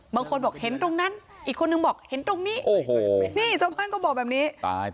บางคนบอกเห็นตรงนั้นอีกคนนึงบอกเห็นตรงนี้โอ้โหนี่ชาวบ้านก็บอกแบบนี้